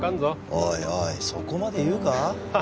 おいおいそこまで言うか？